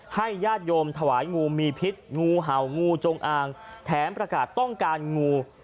ญาติโยมถวายงูมีพิษงูเห่างูจงอางแถมประกาศต้องการงู